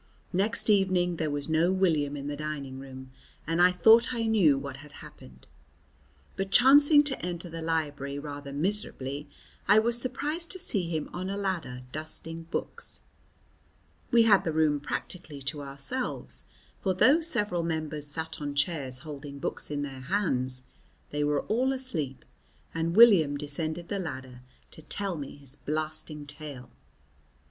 Next evening there was no William in the dining room, and I thought I knew what had happened. But, chancing to enter the library rather miserably, I was surprised to see him on a ladder dusting books. We had the room practically to ourselves, for though several members sat on chairs holding books in their hands they were all asleep, and William descended the ladder to tell me his blasting tale.